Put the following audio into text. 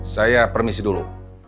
saya permisi dulu